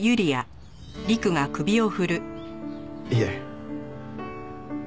いえ。